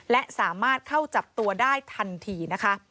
และสามารถเข้าจับตัวได้ทันทีนะคะ